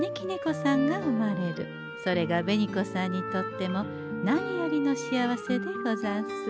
それが紅子さんにとっても何よりの幸せでござんす。